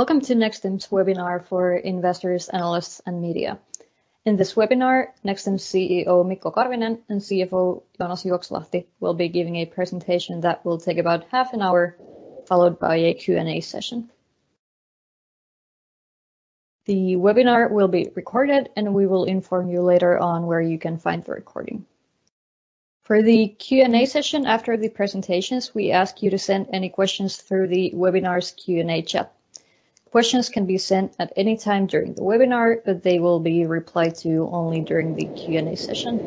Welcome to Nexstim's webinar for investors, analysts, and media. In this webinar, Nexstim's CEO, Mikko Karvinen, and CFO, Joonas Juokslahti, will be giving a presentation that will take about half an hour, followed by a Q&A session. The webinar will be recorded, and we will inform you later on where you can find the recording. For the Q&A session after the presentations, we ask you to send any questions through the webinar's Q&A chat. Questions can be sent at any time during the webinar, but they will be replied to only during the Q&A session.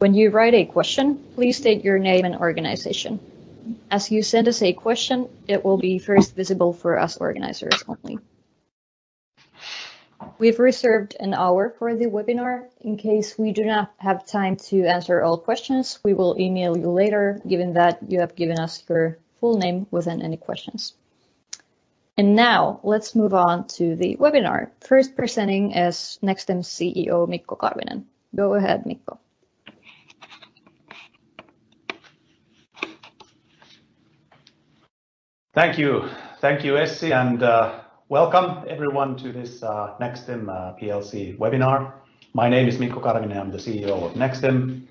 When you write a question, please state your name and organization. As you send us a question, it will be first visible for us organizers only. We've reserved an hour for the webinar. In case we do not have time to answer all questions, we will email you later given that you have given us your full name within any questions. Now, let's move on to the webinar. First presenting is Nexstim's CEO, Mikko Karvinen. Go ahead, Mikko. Thank you. Thank you, Essi, and welcome everyone to this Nexstim Plc webinar. My name is Mikko Karvinen. I'm the CEO of Nexstim.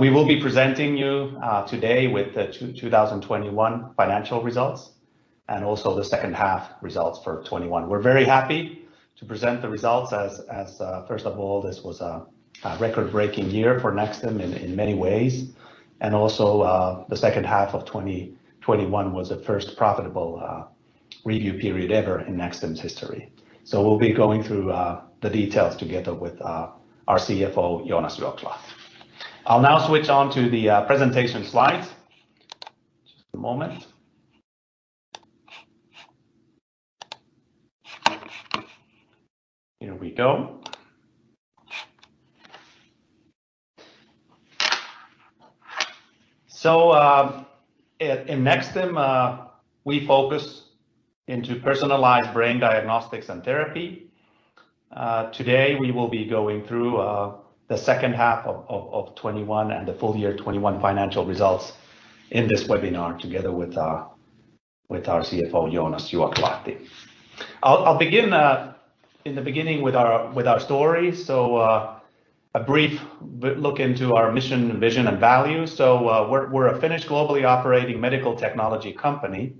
We will be presenting you today with the 2021 financial results and also the second half results for 2021. We're very happy to present the results as first of all, this was a record-breaking year for Nexstim in many ways. Also, the second half of 2021 was the first profitable review period ever in Nexstim's history. We'll be going through the details together with our CFO, Joonas Juokslahti. I'll now switch on to the presentation slides. Just a moment. Here we go. At Nexstim, we focus into personalized brain diagnostics and therapy. Today we will be going through the second half of 2021 and the full year 2021 financial results in this webinar together with our CFO, Joonas Juokslahti. I'll begin in the beginning with our story, a brief look into our mission, vision, and values. We're a Finnish globally operating medical technology company,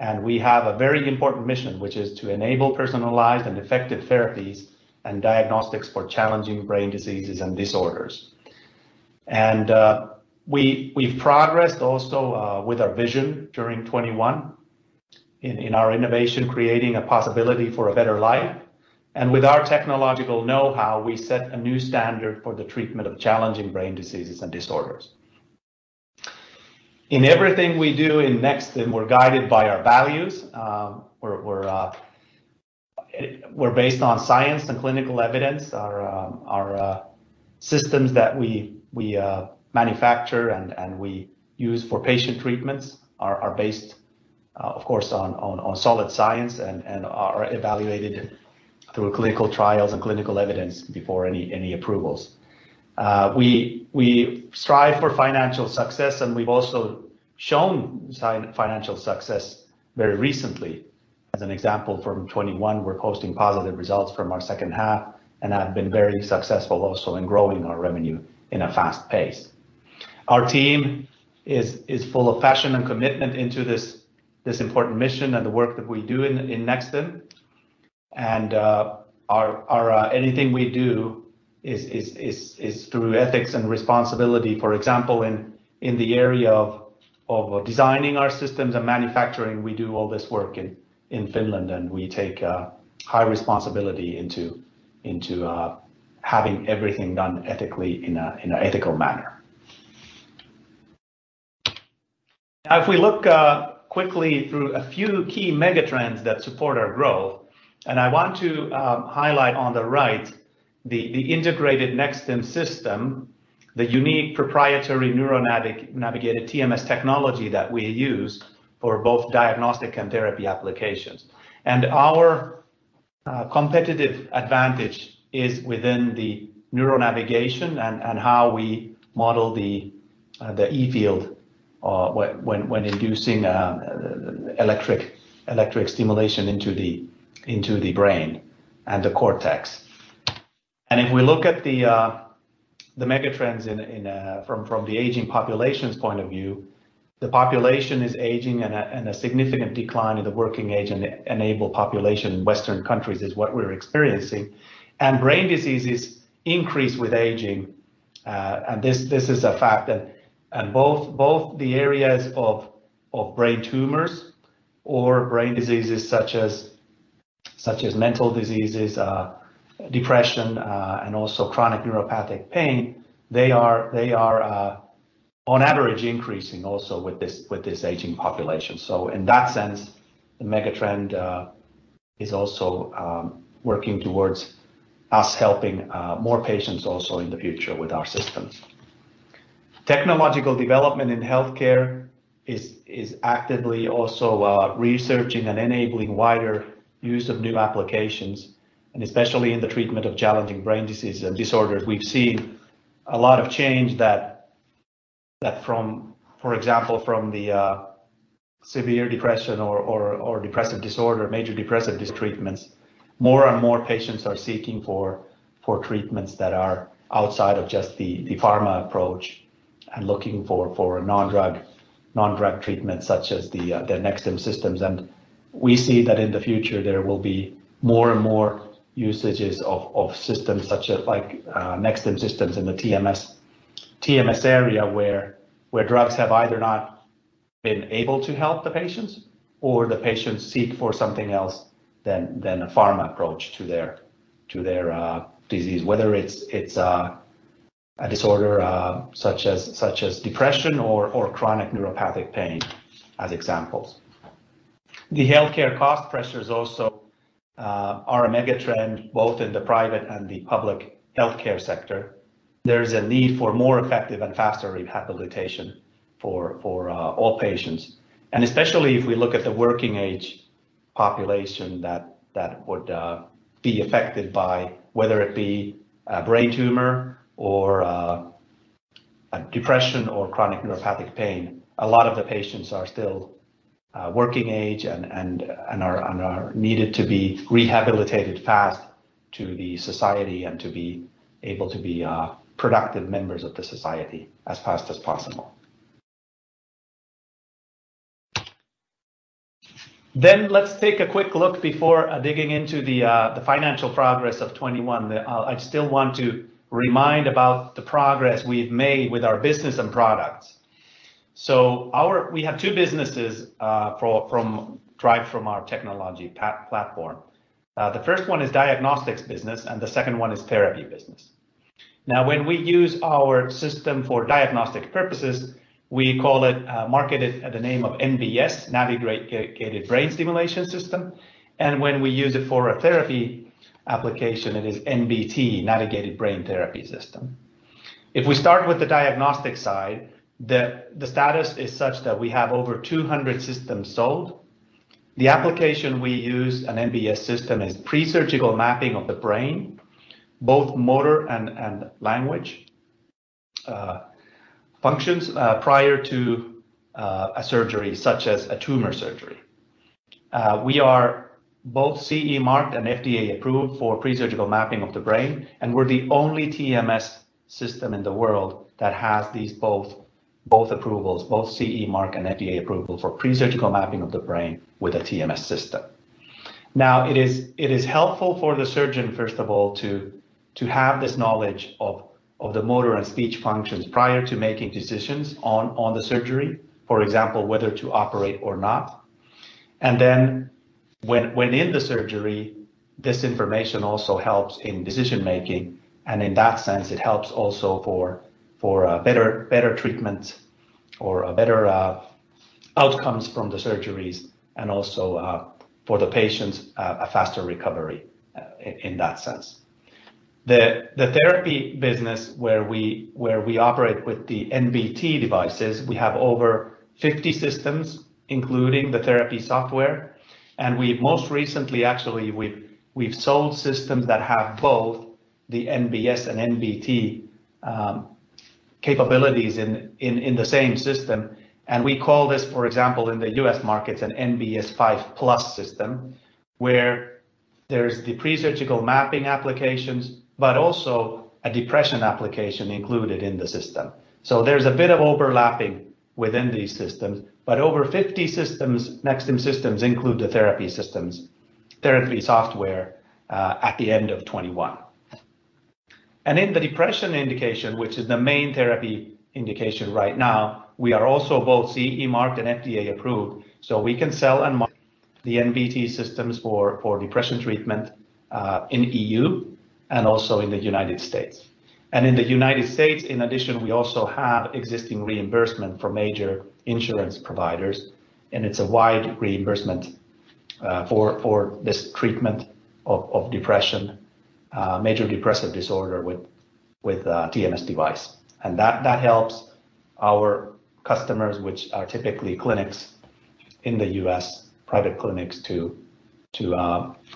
and we have a very important mission, which is to enable personalized and effective therapies and diagnostics for challenging brain diseases and disorders. We've progressed also with our vision during 2021 in our innovation, creating a possibility for a better life. With our technological know-how, we set a new standard for the treatment of challenging brain diseases and disorders. In everything we do in Nexstim, we're guided by our values. We're based on science and clinical evidence. Our systems that we manufacture and we use for patient treatments are based, of course, on solid science and are evaluated through clinical trials and clinical evidence before any approvals. We strive for financial success, and we've also shown significant financial success very recently. As an example, from 2021, we're posting positive results from our second half and have been very successful also in growing our revenue at a fast pace. Our team is full of passion and commitment into this important mission and the work that we do in Nexstim. Anything we do is through ethics and responsibility. For example, in the area of designing our systems and manufacturing, we do all this work in Finland, and we take high responsibility into having everything done ethically in an ethical manner. Now, if we look quickly through a few key megatrends that support our growth, and I want to highlight on the right the integrated Nexstim system, the unique proprietary neuronavigated TMS technology that we use for both diagnostic and therapy applications. Our competitive advantage is within the neuronavigation and how we model the E-field when inducing electric stimulation into the brain and the cortex. If we look at the megatrends from the aging population's point of view, the population is aging and a significant decline in the working age population in Western countries is what we're experiencing. Brain diseases increase with aging, and this is a fact that both the areas of brain tumors or brain diseases such as mental diseases, depression, and also chronic neuropathic pain are on average increasing with this aging population. In that sense, the megatrend is also working towards us helping more patients also in the future with our systems. Technological development in healthcare is actively also researching and enabling wider use of new applications, and especially in the treatment of challenging brain disease and disorders. We've seen a lot of change from, for example, the severe depression or depressive disorder, major depressive treatments, more and more patients are seeking for treatments that are outside of just the pharma approach and looking for non-drug treatments such as the Nexstim systems. We see that in the future there will be more and more usages of systems such as like Nexstim systems in the TMS area where drugs have either not been able to help the patients or the patients seek for something else than a pharma approach to their disease, whether it's a disorder such as depression or chronic neuropathic pain as examples. The healthcare cost pressures also are a mega-trend both in the private and the public healthcare sector. There is a need for more effective and faster rehabilitation for all patients. Especially if we look at the working age population that would be affected by whether it be a brain tumor or a depression or chronic neuropathic pain. A lot of the patients are still working age and are needed to be rehabilitated fast to the society and to be able to be productive members of the society as fast as possible. Let's take a quick look before digging into the financial progress of 2021. I still want to remind about the progress we've made with our business and products. We have two businesses derived from our technology platform. The first one is diagnostics business, and the second one is therapy business. Now, when we use our system for diagnostic purposes, we call it, market it at the name of NBS, Navigated Brain Stimulation system. When we use it for a therapy application, it is NBT, Navigated Brain Therapy system. If we start with the diagnostic side, the status is such that we have over 200 systems sold. The application we use an NBS system is pre-surgical mapping of the brain, both motor and language functions prior to a surgery, such as a tumor surgery. We are both CE marked and FDA approved for pre-surgical mapping of the brain, and we're the only TMS system in the world that has these both approvals, both CE mark and FDA approval for pre-surgical mapping of the brain with a TMS system. Now, it is helpful for the surgeon, first of all, to have this knowledge of the motor and speech functions prior to making decisions on the surgery, for example, whether to operate or not. When in the surgery, this information also helps in decision-making, and in that sense, it helps also for a better treatment or better outcomes from the surgeries and also for the patients a faster recovery in that sense. The therapy business where we operate with the NBT devices, we have over 50 systems, including the therapy software. We most recently, actually, we've sold systems that have both the NBS and NBT capabilities in the same system, and we call this, for example, in the U.S. markets, an NBS 5+ system, where there is the presurgical mapping applications, but also a depression application included in the system. There's a bit of overlapping within these systems, but over 50 systems, Nexstim systems include the therapy systems, therapy software, at the end of 2021. In the depression indication, which is the main therapy indication right now, we are also both CE marked and FDA approved, so we can sell and market the NBT systems for depression treatment in the E.U. and also in the United States. In the United States, in addition, we also have existing reimbursement from major insurance providers, and it's a wide reimbursement for this treatment of depression, major depressive disorder with a TMS device. That helps our customers, which are typically clinics in the U.S., private clinics, to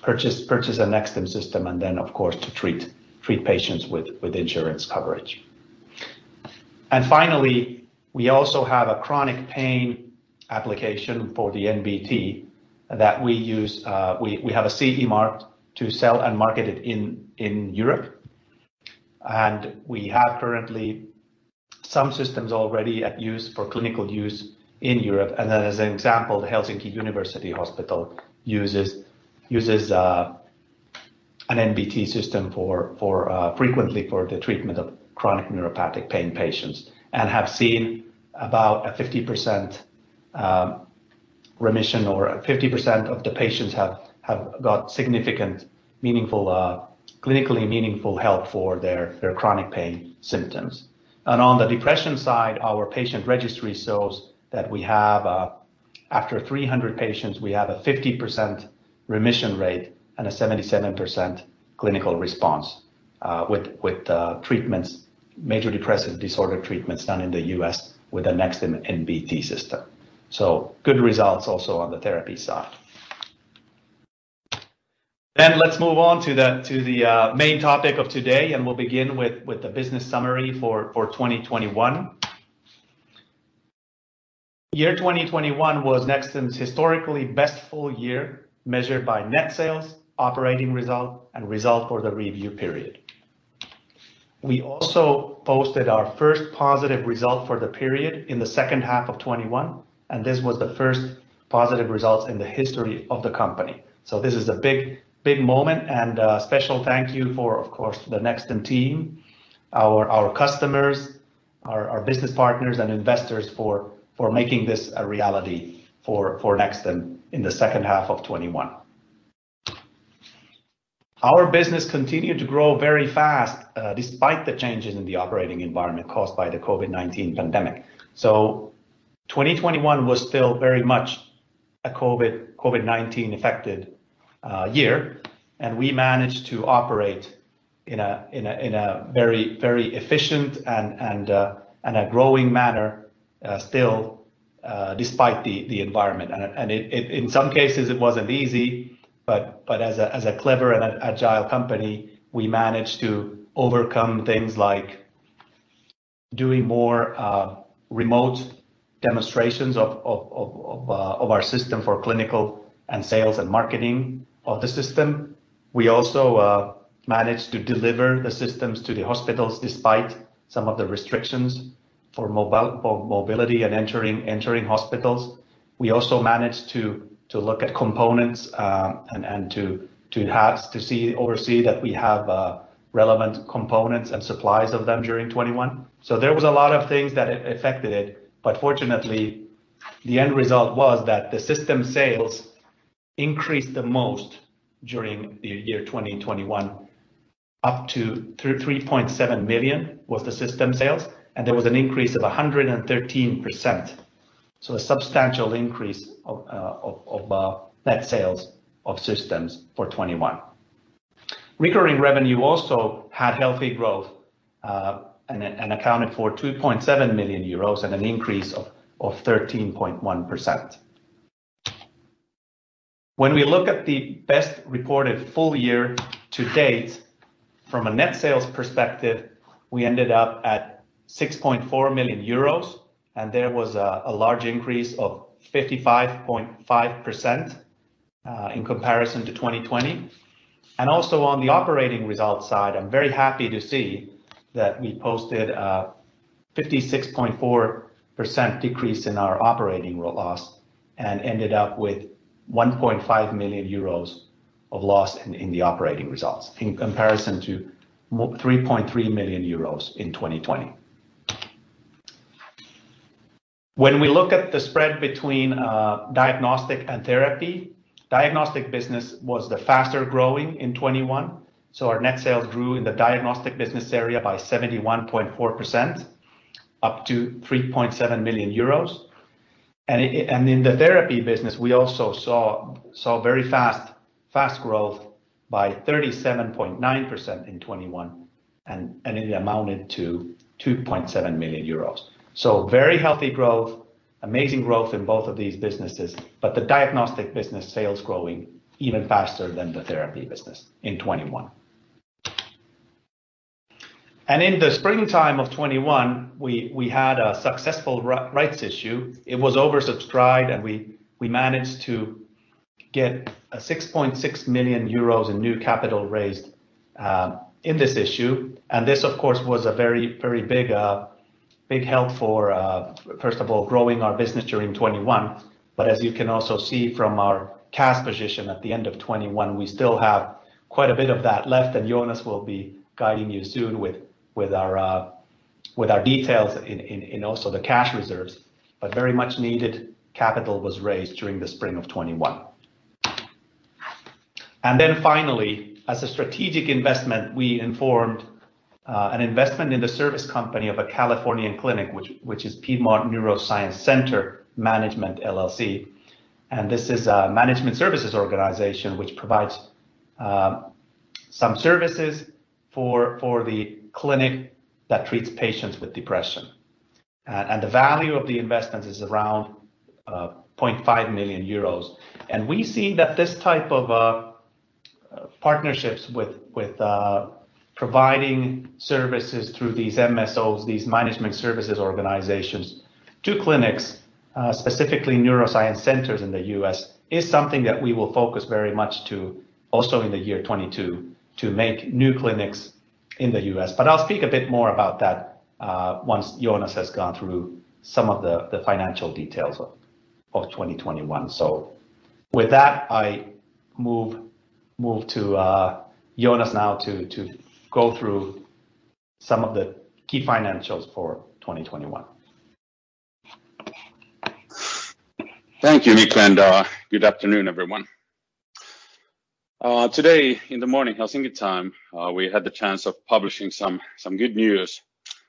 purchase a Nexstim system, and then, of course, to treat patients with insurance coverage. Finally, we also have a chronic pain application for the NBT that we use. We have a CE mark to sell and market it in Europe. We have currently some systems already in use for clinical use in Europe. As an example, the Helsinki University Hospital uses an NBT system frequently for the treatment of chronic neuropathic pain patients and have seen about a 50% remission or 50% of the patients have got significant, meaningful, clinically meaningful help for their chronic pain symptoms. On the depression side, our patient registry shows that we have, after 300 patients, we have a 50% remission rate and a 77% clinical response with treatments, major depressive disorder treatments done in the U.S. with a Nexstim NBT system. Good results also on the therapy side. Let's move on to the main topic of today, and we'll begin with the business summary for 2021. Year 2021 was Nexstim's historically best full year measured by net sales, operating result, and result for the review period. We also posted our first positive result for the period in the second half of 2021, and this was the first positive results in the history of the company. This is a big moment and special thank you for, of course, the Nexstim team, our customers, our business partners and investors for making this a reality for Nexstim in the second half of 2021. Our business continued to grow very fast despite the changes in the operating environment caused by the COVID-19 pandemic. 2021 was still very much a COVID-19 affected year, and we managed to operate in a very efficient and growing manner, still, despite the environment. In some cases, it wasn't easy, but as a clever and agile company, we managed to overcome things like doing more remote demonstrations of our system for clinical and sales and marketing of the system. We also managed to deliver the systems to the hospitals despite some of the restrictions for mobility and entering hospitals. We also managed to look at components and to oversee that we have relevant components and supplies of them during 2021. There was a lot of things that affected it, but fortunately, the end result was that the system sales increased the most during the year 2021, up to 3.7 million was the system sales, and there was an increase of 113%. A substantial increase of net sales of systems for 2021. Recurring revenue also had healthy growth, and accounted for 2.7 million euros and an increase of 13.1%. When we look at the best reported full year to date from a net sales perspective, we ended up at 6.4 million euros, and there was a large increase of 55.5% in comparison to 2020. On the operating results side, I'm very happy to see that we posted a 56.4% decrease in our operating loss and ended up with 1.5 million euros of loss in the operating results in comparison to 3.3 million euros in 2020. When we look at the spread between diagnostic and therapy, diagnostic business was the faster-growing in 2021, so our net sales grew in the diagnostic business area by 71.4%, up to 3.7 million euros. In the therapy business, we also saw very fast growth by 37.9% in 2021, and it amounted to 2.7 million euros. Very healthy growth, amazing growth in both of these businesses, but the diagnostic business sales growing even faster than the therapy business in 2021. In the springtime of 2021, we had a successful rights issue. It was oversubscribed, and we managed to get 6.6 million euros in new capital raised in this issue. This, of course, was a very big help for first of all, growing our business during 2021. As you can also see from our cash position at the end of 2021, we still have quite a bit of that left, and Joonas will be guiding you soon with our details in also the cash reserves. Very much needed capital was raised during the spring of 2021. Then finally, as a strategic investment, we informed an investment in the service company of a Californian clinic, which is PNC Management Services, LLC. This is a management services organization which provides some services for the clinic that treats patients with depression. The value of the investment is around 0.5 million euros. We see that this type of partnerships with providing services through these MSOs, these management services organizations, to clinics, specifically neuroscience centers in the U.S., is something that we will focus very much to also in 2022 to make new clinics in the U.S. I'll speak a bit more about that once Joonas has gone through some of the financial details of 2021. With that, I move to Joonas now to go through some of the key financials for 2021. Thank you, Mikko, and good afternoon, everyone. Today in the morning Helsinki time, we had the chance of publishing some good news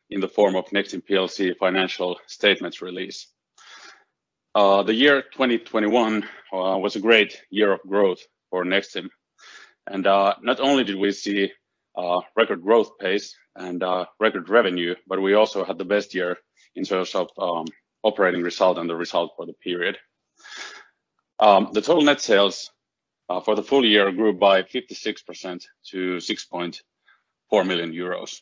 in the form of Nexstim Plc financial statements release. The year 2021 was a great year of growth for Nexstim. Not only did we see record growth pace and record revenue, but we also had the best year in terms of operating result and the result for the period. The total net sales for the full year grew by 56% to 6.4 million euros.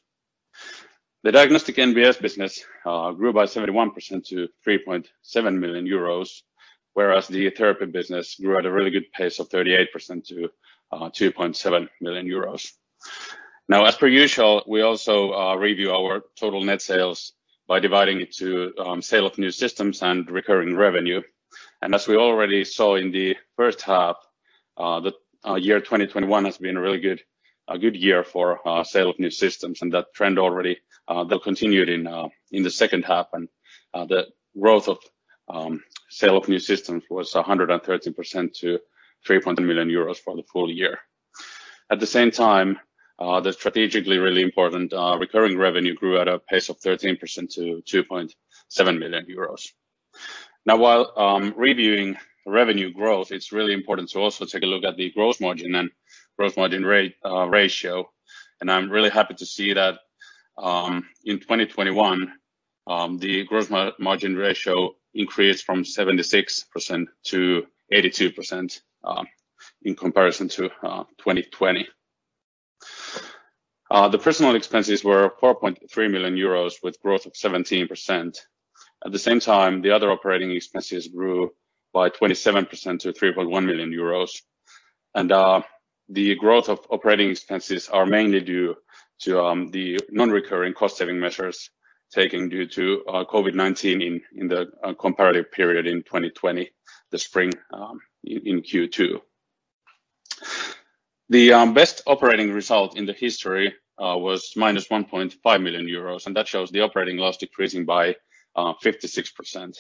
The diagnostic NBS business grew by 71% to 3.7 million euros, whereas the therapy business grew at a really good pace of 38% to 2.7 million euros. Now, as per usual, we also review our total net sales by dividing it into sale of new systems and recurring revenue. As we already saw in the first half, the year 2021 has been a really good year for sale of new systems, and that trend will continue in the second half. The growth of sale of new systems was 130% to 3 million euros for the full year. At the same time, the strategically really important recurring revenue grew at a pace of 13% to 2.7 million euros. While reviewing revenue growth, it's really important to also take a look at the gross margin and gross margin ratio, and I'm really happy to see that in 2021 the gross margin ratio increased from 76%-82% in comparison to 2020. The personnel expenses were 4.3 million euros with growth of 17%. At the same time, the other operating expenses grew by 27% to 3.1 million euros. The growth of operating expenses are mainly due to the non-recurring cost-saving measures taken due to COVID-19 in the comparative period in 2020, the spring in Q2. The best operating result in history was -1.5 million euros, and that shows the operating loss decreasing by 56%.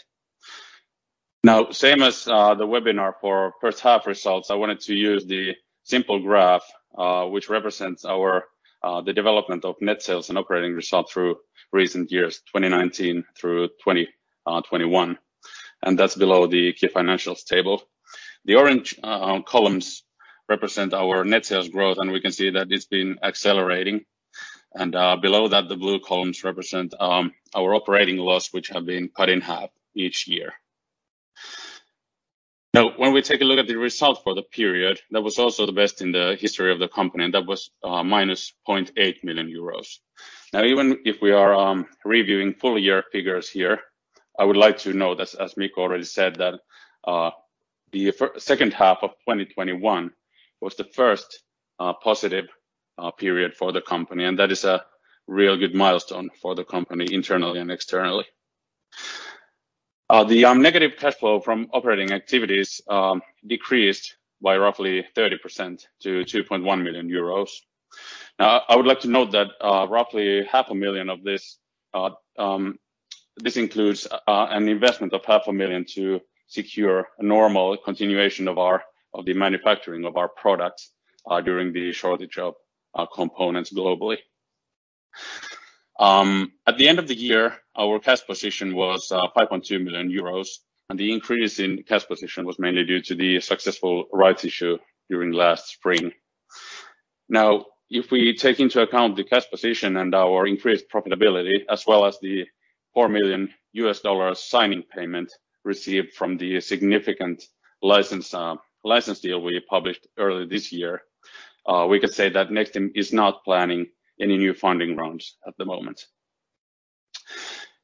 Now, same as the webinar for first half results, I wanted to use the simple graph, which represents the development of net sales and operating result through recent years, 2019 through 2021. That's below the key financials table. The orange columns represent our net sales growth, and we can see that it's been accelerating. Below that, the blue columns represent our operating loss, which have been cut in half each year. Now, when we take a look at the result for the period, that was also the best in the history of the company, and that was -0.8 million euros. Now even if we are reviewing full-year figures here, I would like to note as Mikko already said, that the second half of 2021 was the first positive period for the company, and that is a real good milestone for the company internally and externally. The negative cash flow from operating activities decreased by roughly 30% to 2.1 million euros. Now, I would like to note that roughly half amillion of this includes an investment of half a million to secure a normal continuation of our manufacturing of our products during the shortage of components globally. At the end of the year, our cash position was 5.2 million euros, and the increase in cash position was mainly due to the successful rights issue during last spring. Now, if we take into account the cash position and our increased profitability, as well as the $4 million signing payment received from the significant license deal we published earlier this year, we could say that Nexstim is not planning any new funding rounds at the moment.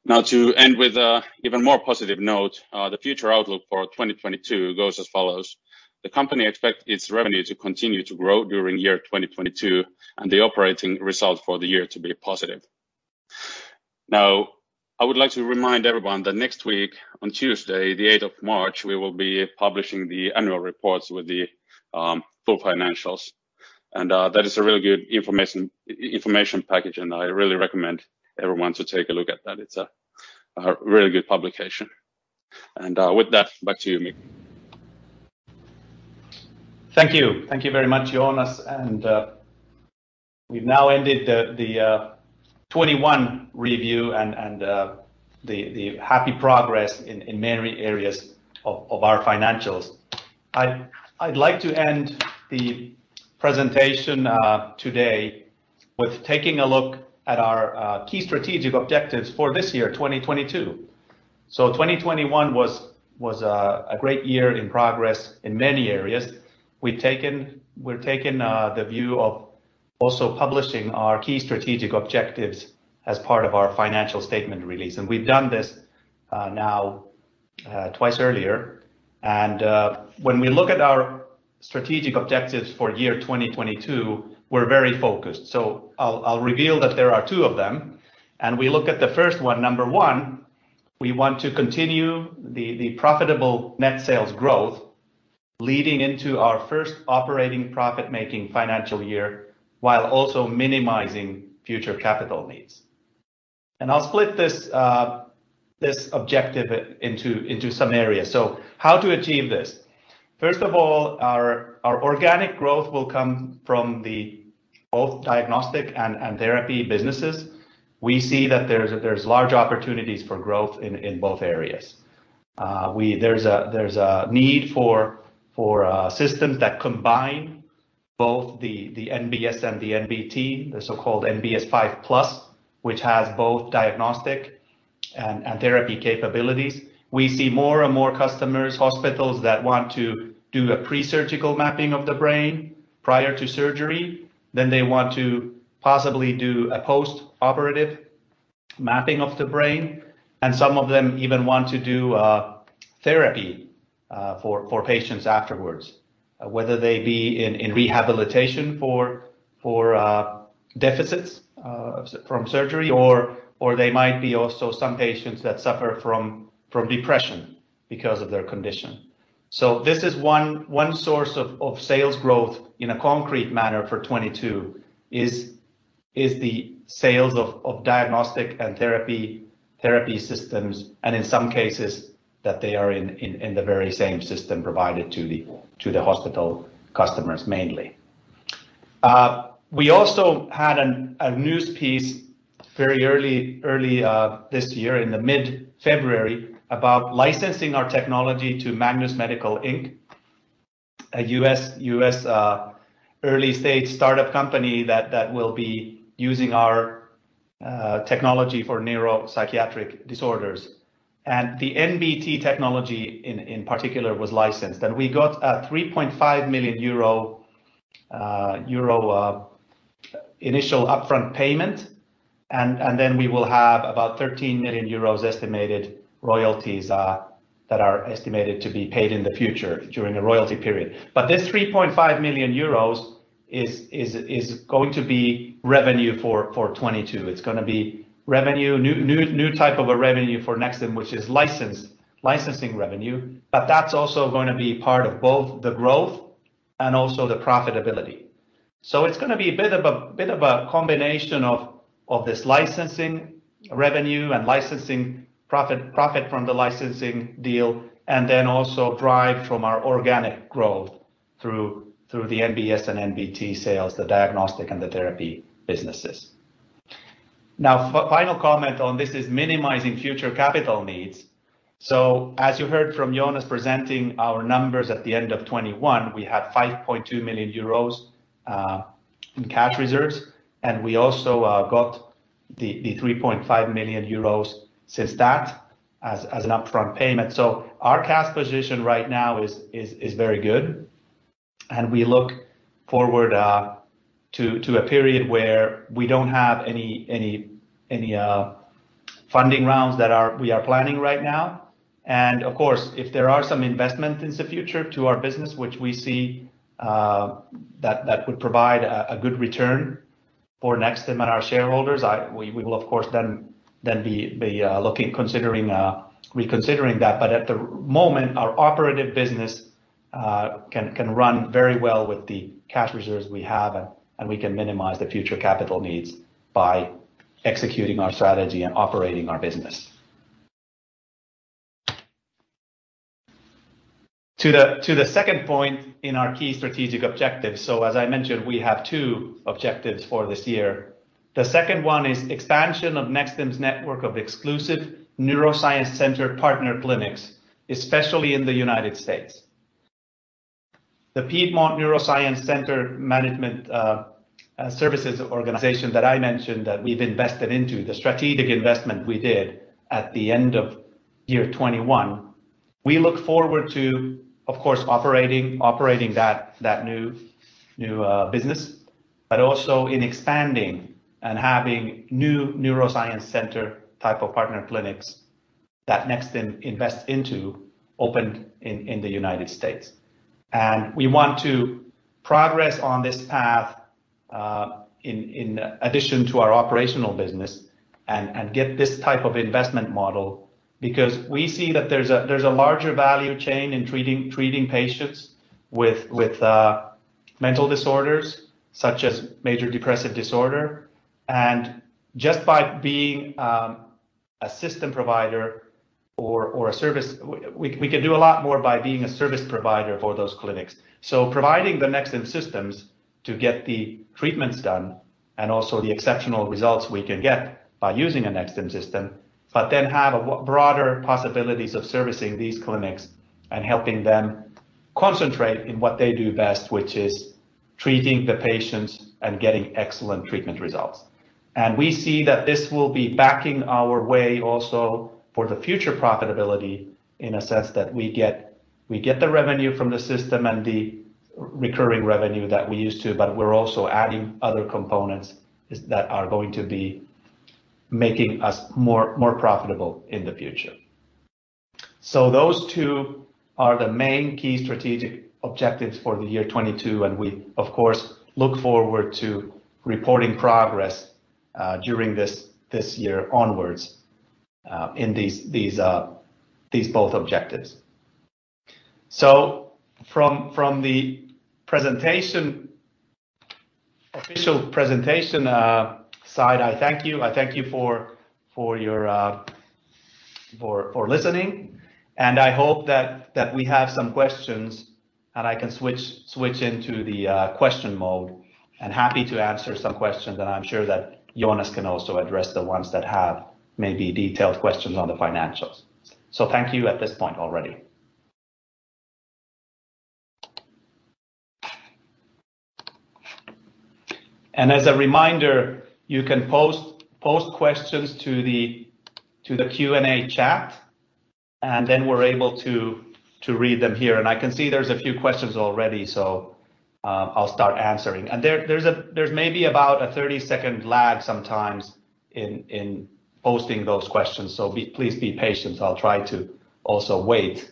Now to end with a even more positive note, the future outlook for 2022 goes as follows. The company expects its revenue to continue to grow during 2022 and the operating result for the year to be positive. Now, I would like to remind everyone that next week on Tuesday, the eighth of March, we will be publishing the annual reports with the full financials. That is a really good information package, and I really recommend everyone to take a look at that. It's a really good publication. With that, back to you, Mikko. Thank you. Thank you very much, Joonas, and we've now ended the 2021 review and the happy progress in many areas of our financials. I'd like to end the presentation today with taking a look at our key strategic objectives for this year, 2022. 2021 was a great year in progress in many areas. We're taking the view of also publishing our key strategic objectives as part of our financial statement release, and we've done this now twice earlier. When we look at our strategic objectives for year 2022, we're very focused. I'll reveal that there are two of them, and we look at the first one. Number one, we want to continue the profitable net sales growth leading into our first operating profit-making financial year while also minimizing future capital needs. I'll split this objective into some areas. How to achieve this? First of all, our organic growth will come from both diagnostic and therapy businesses. We see that there's large opportunities for growth in both areas. We see there's a need for systems that combine both the NBS and the NBT, the so-called NBS 5+ which has both diagnostic and therapy capabilities. We see more and more customers, hospitals that want to do a pre-surgical mapping of the brain prior to surgery, then they want to possibly do a post-operative mapping of the brain, and some of them even want to do therapy for patients afterwards, whether they be in rehabilitation for deficits from surgery or they might be also some patients that suffer from depression because of their condition. This is one source of sales growth in a concrete manner for 2022, the sales of diagnostic and therapy systems, and in some cases, that they are in the very same system provided to the hospital customers mainly. We also had a news piece very early this year in mid-February about licensing our technology to Magnus Medical, Inc., a U.S. early-stage startup company that will be using our technology for neuropsychiatric disorders. The NBT technology in particular was licensed, and we got a 3.5 million euro initial upfront payment, and then we will have about 13 million euros estimated royalties that are estimated to be paid in the future during a royalty period. This 3.5 million euros is going to be revenue for 2022. It's gonna be revenue, new type of a revenue for Nexstim, which is licensing revenue, but that's also gonna be part of both the growth and also the profitability. It's gonna be a bit of a combination of this licensing revenue and licensing profit from the licensing deal and then also drive from our organic growth through the NBS and NBT sales, the diagnostic and the therapy businesses. Now, final comment on this is minimizing future capital needs. As you heard from Joonas presenting our numbers at the end of 2021, we had 5.2 million euros in cash reserves, and we also got the 3.5 million euros since that as an upfront payment. Our cash position right now is very good, and we look forward to a period where we don't have any funding rounds we are planning right now. Of course, if there are some investment in the future to our business, which we see, that would provide a good return for Nexstim and our shareholders, we will of course then be looking, considering, reconsidering that. But at the moment, our operative business can run very well with the cash reserves we have, and we can minimize the future capital needs by executing our strategy and operating our business. To the second point in our key strategic objectives. As I mentioned, we have two objectives for this year. The second one is expansion of Nexstim's network of exclusive neuroscience center partner clinics, especially in the United States. The Piedmont Neuroscience Center management services organization that I mentioned that we've invested into, the strategic investment we did at the end of year 2021, we look forward to of course operating that new business. Also in expanding and having new neuroscience center type of partner clinics that Nexstim invests into opened in the United States. We want to progress on this path in addition to our operational business and get this type of investment model because we see that there's a larger value chain in treating patients with mental disorders such as major depressive disorder. Just by being a system provider or a service, we can do a lot more by being a service provider for those clinics. Providing the Nexstim systems to get the treatments done and also the exceptional results we can get by using a Nexstim system, but then have a broader possibilities of servicing these clinics and helping them concentrate in what they do best, which is treating the patients and getting excellent treatment results. We see that this will be backing our way also for the future profitability in a sense that we get the revenue from the system and the recurring revenue that we used to, but we're also adding other components that are going to be making us more profitable in the future. Those two are the main key strategic objectives for the year 2022, and we of course look forward to reporting progress during this year onwards in these both objectives. From the presentation side, I thank you for listening, and I hope that we have some questions. I can switch into the question mode. Happy to answer some questions, and I'm sure that Joonas can also address the ones that have maybe detailed questions on the financials. Thank you at this point already. As a reminder, you can post questions to the Q&A chat, and then we're able to read them here. I can see there's a few questions already, so I'll start answering. There's maybe about a 30-second lag sometimes in posting those questions, so please be patient. I'll try to also wait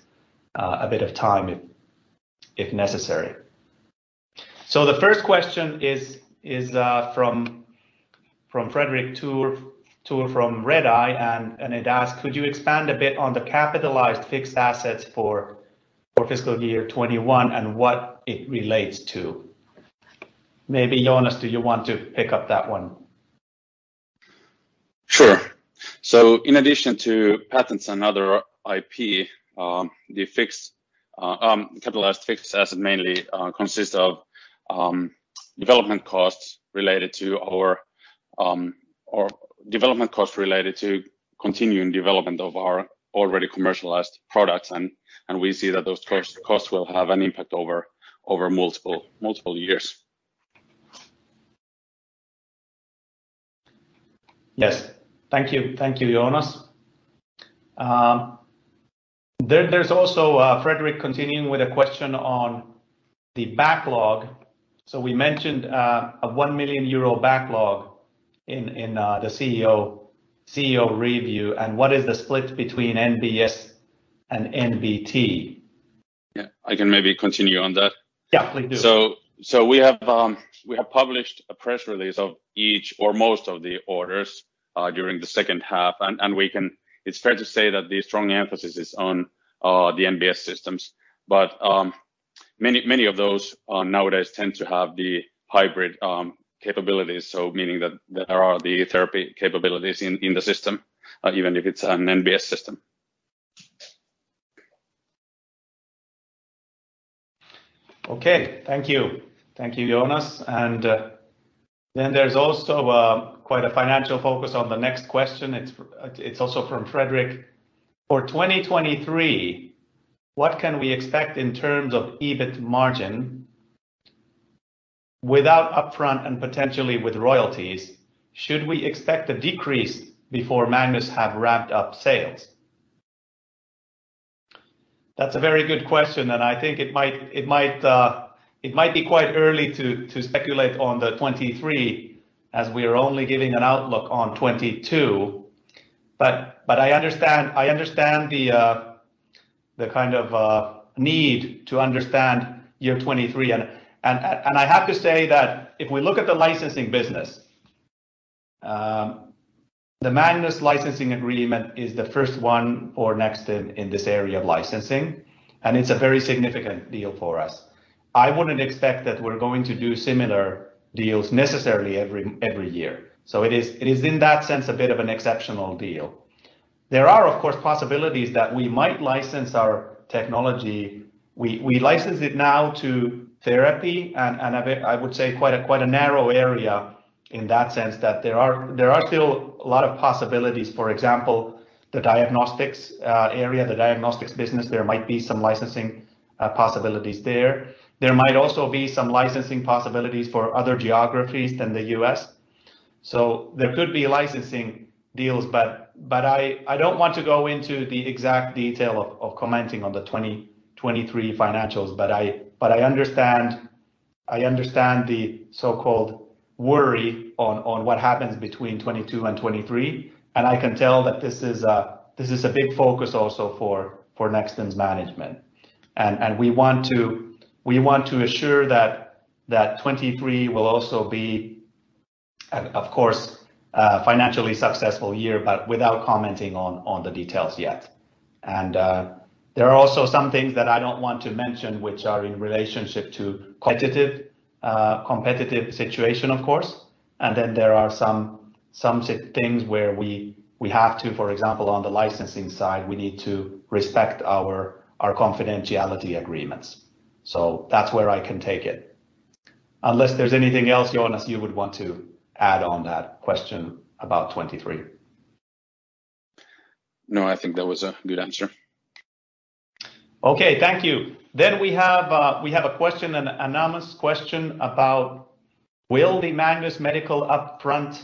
a bit of time if necessary. The first question is from Fredrik Thor from Redeye, and it asks: Could you expand a bit on the capitalized fixed assets for fiscal year 2021 and what it relates to? Maybe Joonas, do you want to pick up that one? Sure. In addition to patents and other IP, the capitalized fixed asset mainly consists of development costs related to continuing development of our already commercialized products. We see that those costs will have an impact over multiple years. Yes. Thank you. Thank you, Joonas. There's also Fredrik continuing with a question on the backlog. We mentioned a 1 million euro backlog in the CEO review, and what is the split between NBS and NBT? Yeah, I can maybe continue on that. Yeah, please do. We have published a press release of each or most of the orders during the second half, and it's fair to say that the strong emphasis is on the NBS systems. Many of those nowadays tend to have the hybrid capabilities, meaning that there are the therapy capabilities in the system, even if it's an NBS system. Okay. Thank you. Thank you, Joonas. Then there's also quite a financial focus on the next question. It's also from Fredrik: For 2023, what can we expect in terms of EBIT margin without upfront and potentially with royalties? Should we expect a decrease before Magnus have ramped up sales? That's a very good question, and I think it might be quite early to speculate on the 2023, as we are only giving an outlook on 2022. I understand the kind of need to understand year 2023. I have to say that if we look at the licensing business, the Magnus licensing agreement is the first one for Nexstim in this area of licensing, and it's a very significant deal for us. I wouldn't expect that we're going to do similar deals necessarily every year. It is in that sense a bit of an exceptional deal. There are, of course, possibilities that we might license our technology. We license it now to therapy and a bit—I would say quite a narrow area in that sense that there are still a lot of possibilities. For example, the diagnostics area, the diagnostics business, there might be some licensing possibilities there. There might also be some licensing possibilities for other geographies than the U.S. There could be licensing deals, but I don't want to go into the exact detail of commenting on the 2023 financials. I understand the so-called worry on what happens between 2022 and 2023, and I can tell that this is a big focus also for Nexstim's management. We want to assure that 2023 will also be, of course, a financially successful year but without commenting on the details yet. There are also some things that I don't want to mention which are in relationship to competitive situation, of course. Then there are some things where we have to, for example, on the licensing side, we need to respect our confidentiality agreements. That's where I can take it. Unless there's anything else, Joonas, you would want to add on that question about 2023. No, I think that was a good answer. Okay, thank you. We have a question, an anonymous question about will the Magnus Medical upfront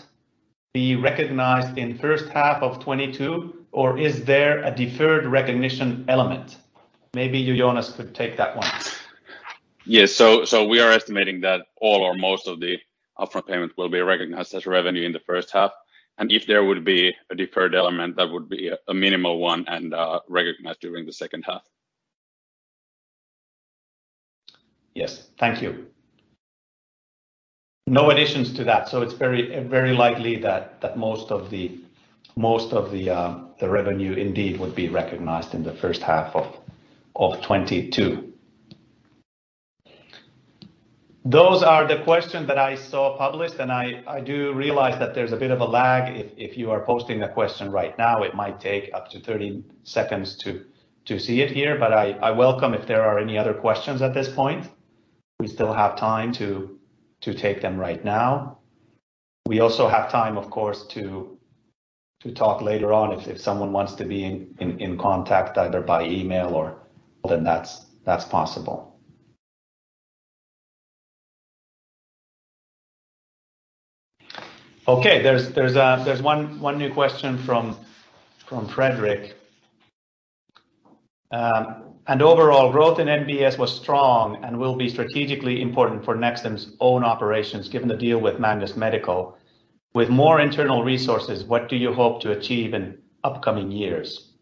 be recognized in first half of 2022 or is there a deferred recognition element? Maybe you, Joonas, could take that one. Yes. We are estimating that all or most of the upfront payment will be recognized as revenue in the first half. If there would be a deferred element, that would be a minimal one and recognized during the second half. Yes. Thank you. No additions to that, so it's very likely that most of the revenue indeed would be recognized in the first half of 2022. Those are the questions that I saw published, and I do realize that there's a bit of a lag if you are posting a question right now, it might take up to 30 seconds to see it here. But I welcome if there are any other questions at this point. We still have time to take them right now. We also have time, of course, to talk later on if someone wants to be in contact either by email or, well, then that's possible. Okay. There's one new question from Fredrik. Overall growth in NBS was strong and will be strategically important for Nexstim's own operations given the deal with Magnus Medical. With more internal resources, what do you hope to achieve in upcoming years?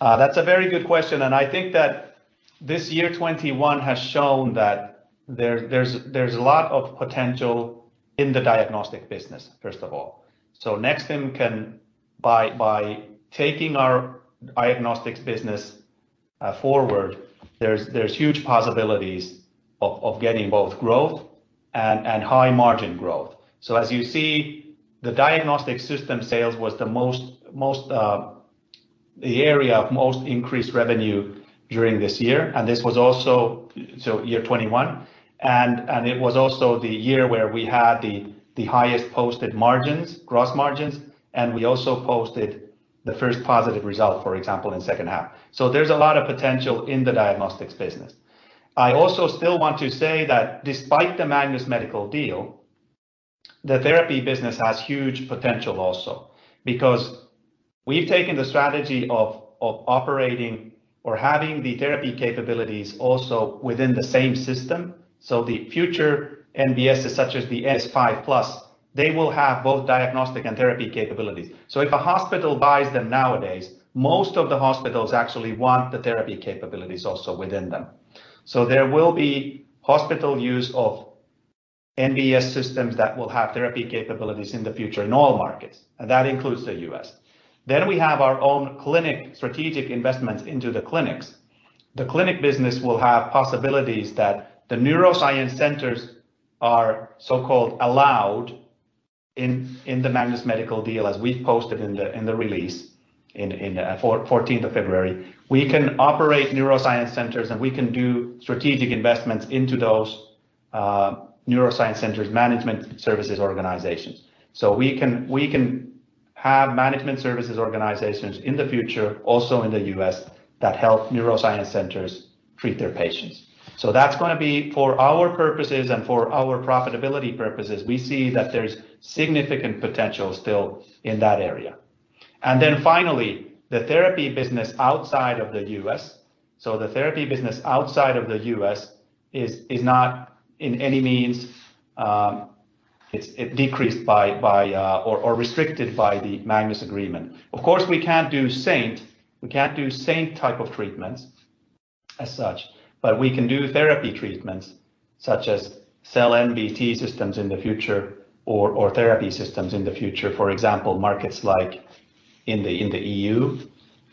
That's a very good question, and I think that this year 2021 has shown that there's a lot of potential in the diagnostic business, first of all. Nexstim can, by taking our diagnostics business forward, there's huge possibilities of getting both growth and high margin growth. As you see, the diagnostic system sales was the most, the area of most increased revenue during this year. And this was also year 2021. And it was also the year where we had the highest posted margins, gross margins, and we also posted the first positive result, for example, in second half. There's a lot of potential in the diagnostics business. I also still want to say that despite the Magnus Medical deal, the therapy business has huge potential also because we've taken the strategy of operating or having the therapy capabilities also within the same system. The future NBS such as the NBS 5+, they will have both diagnostic and therapy capabilities. If a hospital buys them nowadays, most of the hospitals actually want the therapy capabilities also within them. There will be hospital use of NBS systems that will have therapy capabilities in the future in all markets, and that includes the U.S. We have our own clinic strategic investments into the clinics. The clinic business will have possibilities that the neuroscience centers are so-called allowed in the Magnus Medical deal, as we've posted in the release on the fourteenth of February. We can operate neuroscience centers, and we can do strategic investments into those neuroscience centers management services organizations. We can have management services organizations in the future also in the U.S. that help neuroscience centers treat their patients. That's gonna be for our purposes and for our profitability purposes. We see that there's significant potential still in that area. Then finally, the therapy business outside of the U.S., the therapy business outside of the U.S. is not in any means decreased or restricted by the Magnus Agreement. Of course, we can't do SAINT. We can't do SAINT type of treatments as such, but we can do therapy treatments such as NBT systems in the future or therapy systems in the future. For example, markets like in the EU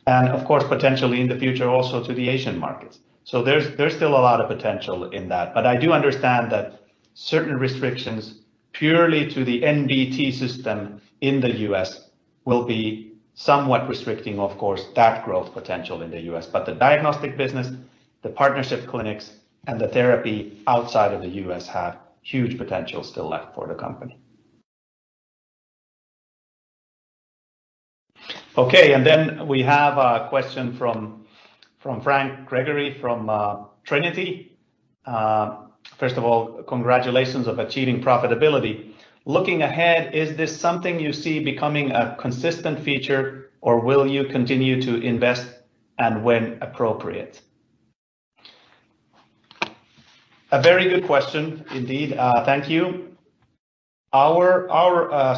and of course, potentially in the future also to the Asian markets. There's still a lot of potential in that, but I do understand that certain restrictions purely to the NBT system in the U.S. will be somewhat restricting of course that growth potential in the U.S. The diagnostic business, the partnership clinics, and the therapy outside of the U.S. have huge potential still left for the company. Okay. We have a question from Franc Greco from Trinity Delta. First of all, congratulations on achieving profitability. Looking ahead, is this something you see becoming a consistent feature, or will you continue to invest, and when appropriate? A very good question indeed. Thank you. Our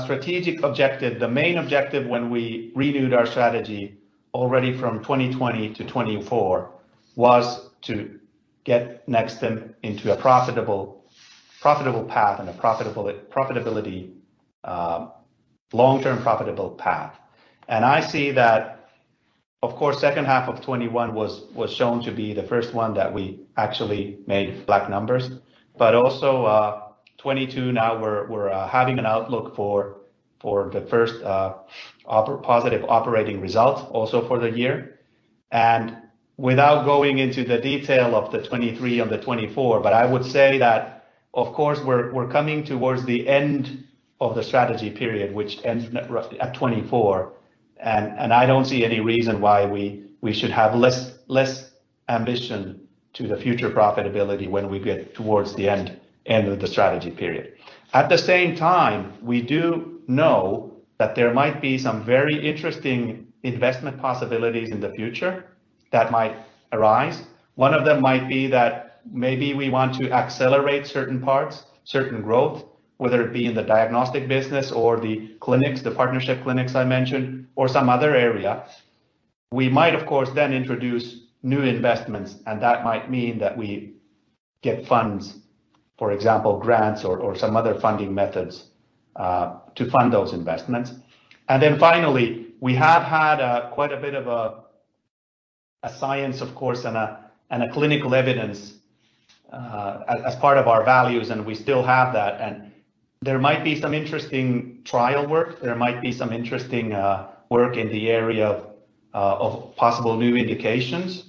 strategic objective, the main objective when we renewed our strategy already from 2020 to 2024 was to get Nexstim into a profitable path and a long-term profitable path. I see that of course, second half of 2021 was shown to be the first one that we actually made black numbers, but also, 2022 now we're having an outlook for the first positive operating result also for the year. Without going into the detail of the 2023 and the 2024, but I would say that of course we're coming towards the end of the strategy period, which ends at 2024. I don't see any reason why we should have less ambition to the future profitability when we get towards the end of the strategy period. At the same time, we do know that there might be some very interesting investment possibilities in the future that might arise. One of them might be that maybe we want to accelerate certain parts, certain growth, whether it be in the diagnostic business or the clinics, the partnership clinics I mentioned, or some other area. We might of course then introduce new investments, and that might mean that we get funds, for example, grants or some other funding methods to fund those investments. Then finally, we have had quite a bit of science, of course, and a clinical evidence as part of our values, and we still have that. There might be some interesting trial work. There might be some interesting work in the area of possible new indications.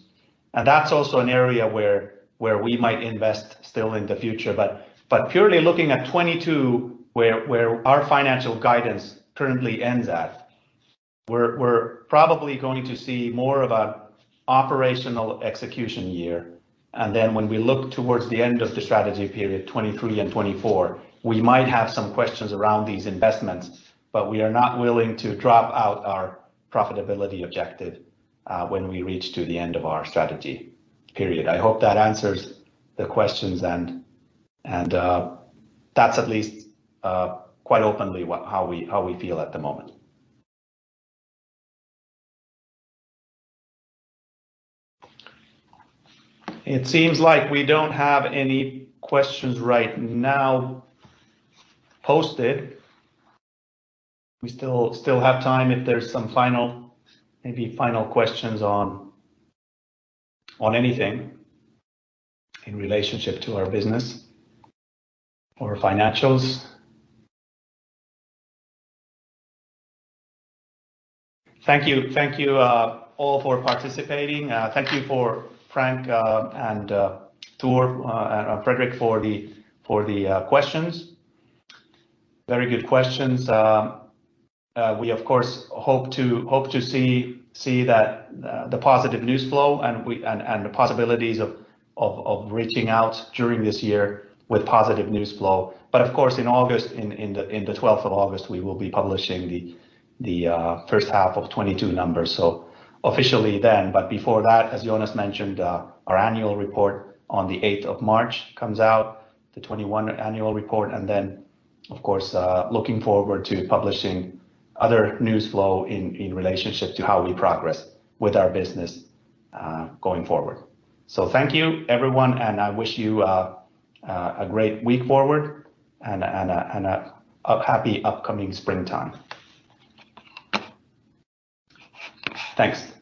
That's also an area where we might invest still in the future. Purely looking at 2022, where our financial guidance currently ends at, we're probably going to see more of an operational execution year. Then when we look towards the end of the strategy period, 2023 and 2024, we might have some questions around these investments, but we are not willing to drop our profitability objective when we reach the end of our strategy period. I hope that answers the questions and that's at least quite openly what, how we feel at the moment. It seems like we don't have any questions right now posed. We still have time if there's some final, maybe final questions on anything in relationship to our business or financials. Thank you. Thank you all for participating. Thank you for Franc and Thor and Fredrik for the questions. Very good questions. We of course hope to see that the positive news flow and the possibilities of reaching out during this year with positive news flow. Of course in August, the twelfth of August, we will be publishing the first half of 2022 numbers. Officially then. Before that, as Joonas mentioned, our annual report on the eighth of March comes out, the 2021 annual report. Looking forward to publishing other news flow in relationship to how we progress with our business, going forward. Thank you everyone, and I wish you a great week forward and a happy upcoming springtime. Thanks.